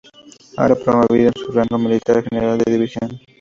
Ahora promovido en su rango militar a General de División.